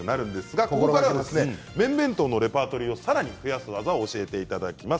麺弁当のレパートリーを増やす技を教えていただきます。